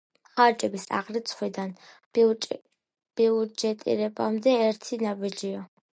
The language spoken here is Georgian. ხარჯების აღრიცხვიდან ბიუჯეტირებამდე ერთი ნაბიჯია.